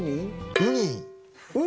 ウニ。